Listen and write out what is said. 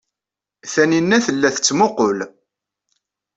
Taninna tella tettmuqqul.